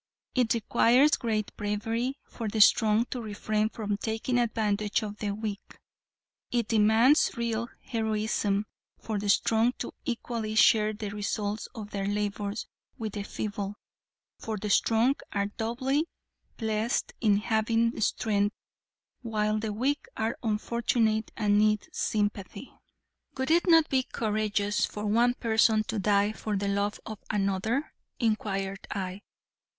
It requires great bravery for the strong to refrain from taking advantage of the weak; it demands real heroism for the strong to equally share the results of their labors with the feeble. For the strong are doubly blessed in having strength while the weak are unfortunate and need sympathy." "Would it not be courageous for one person to die for the love of another?" inquired I.